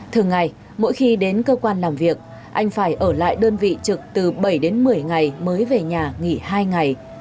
thường ngày mỗi khi đến cơ quan làm việc anh phải ở lại đơn vị trực từ bảy đến một mươi ngày mới về nhà nghỉ hai ngày